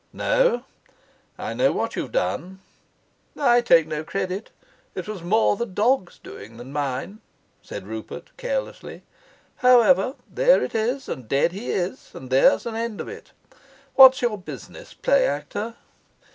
"No, I know what you've done." "I take no credit. It was more the dog's doing than mine," said Rupert carelessly. "However, there it is, and dead he is, and there's an end of it. What's your business, play actor?"